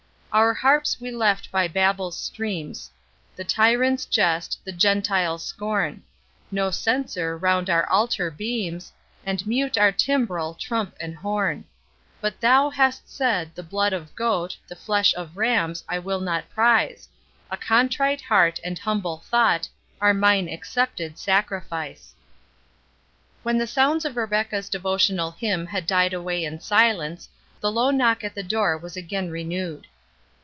Our harps we left by Babel's streams, The tyrant's jest, the Gentile's scorn; No censer round our altar beams, And mute our timbrel, trump, and horn. But THOU hast said, the blood of goat, The flesh of rams, I will not prize; A contrite heart, and humble thought, Are mine accepted sacrifice. When the sounds of Rebecca's devotional hymn had died away in silence, the low knock at the door was again renewed.